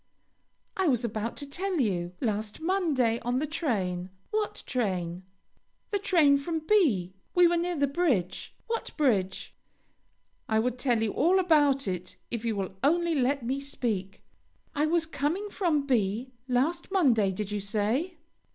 "I was about to tell you; last Monday, on the train " "What train?" "The train from B . We were near the bridge " "What bridge?" "I will tell you all about it, if you will only let me speak. I was coming from B " "Last Monday, did you say?"